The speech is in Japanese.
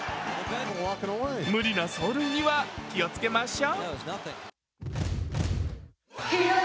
無理な走塁には気をつけましょう。